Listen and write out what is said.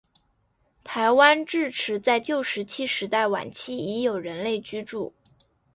台湾至迟在旧石器时代晚期已有人类居住。